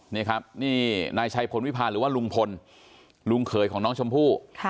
นี่ครับนี่นายชัยพลวิพาหรือว่าลุงพลลุงเขยของน้องชมพู่